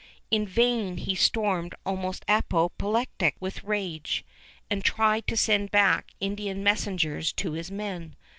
In vain he stormed almost apoplectic with rage, and tried to send back Indian messengers to his men.